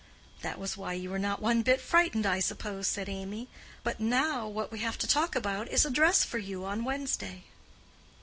"That was why you were not one bit frightened, I suppose," said Amy. "But now, what we have to talk about is a dress for you on Wednesday."